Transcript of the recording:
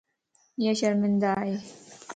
ايا شرمندا ائي.